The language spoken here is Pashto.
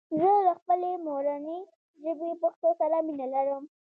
زه له خپلي مورني ژبي پښتو سره مينه لرم